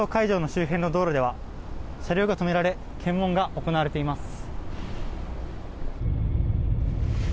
周辺の道路では車両が止められ検問が行われています。